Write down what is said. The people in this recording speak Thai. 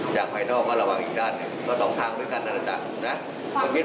และก็ขอให้ดูใส่ดีทุกระห่าโดยทุกคนเติมต้นอีกนี้หนึ่งนะ